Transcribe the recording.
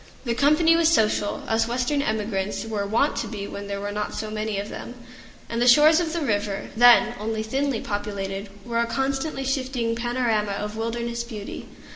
The company was social, as Western emigrants were wont to be when there were not so very many of them, and the shores of the river, then only thinly populated, were a constantly shifting panorama of wilderness beauty.